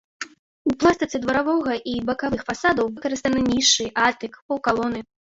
У пластыцы дваровага і бакавых фасадаў выкарыстаны нішы, атык, паўкалоны.